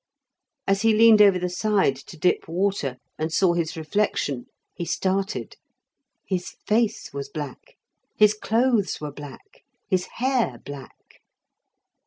As he leaned over the side to dip water, and saw his reflection, he started; his face was black, his clothes were black, his hair black.